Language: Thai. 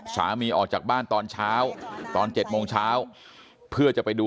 ออกจากบ้านตอนเช้าตอน๗โมงเช้าเพื่อจะไปดู